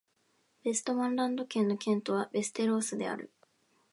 ヴェストマンランド県の県都はヴェステロースである